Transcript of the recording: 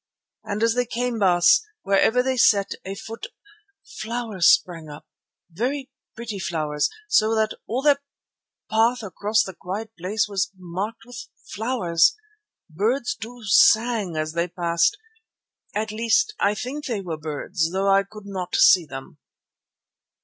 And as they came, Baas, wherever they set a foot flowers sprang up, very pretty flowers, so that all their path across the quiet place was marked with flowers. Birds too sang as they passed, at least I think they were birds though I could not see them."